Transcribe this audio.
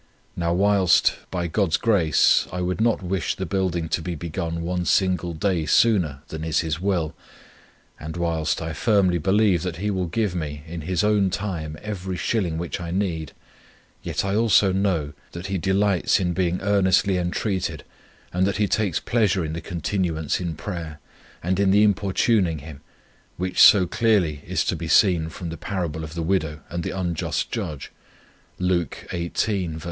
Now whilst, by God's grace, I would not wish the building to be begun one single day sooner than is His will; and whilst I firmly believe, that He will give me, in His own time every shilling which I need; yet I also know, that He delights in being earnestly entreated, and that He takes pleasure in the continuance in prayer, and in the importuning Him, which so clearly is to be seen from the parable of the widow and the unjust judge, Luke xviii.